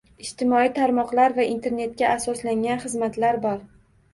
Ijtimoiy tarmoqlar va internetga asoslangan xizmatlar bor.